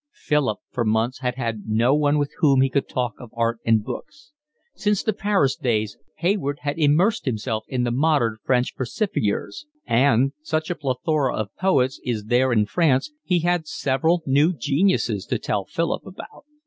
Philip for months had had no one with whom he could talk of art and books. Since the Paris days Hayward had immersed himself in the modern French versifiers, and, such a plethora of poets is there in France, he had several new geniuses to tell Philip about.